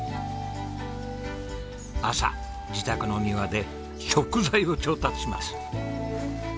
朝自宅の庭で食材を調達します。